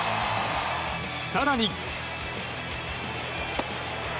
更に。